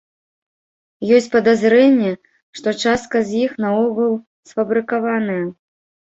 Ёсць падазрэнне, што частка з іх наогул сфабрыкаваная.